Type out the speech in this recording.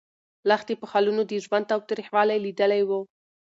لښتې په خالونو د ژوند تریخوالی لیدلی و.